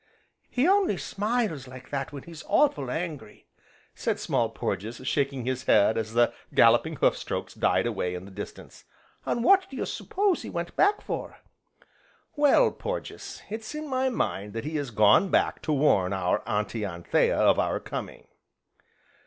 "He only smiles like that when he's awful' angry," said Small Porges shaking his head as the galloping hoof strokes died away in the distance, "An' what do you s'pose he went back for?" "Well, Porges, it's in my mind that he has gone back to warn our Auntie Anthea of our coming."